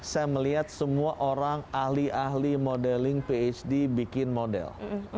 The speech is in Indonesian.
saya melihat semua orang ahli ahli modeling phd bikin model